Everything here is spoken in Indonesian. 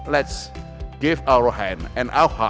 mari kita beri tangan dan hati kita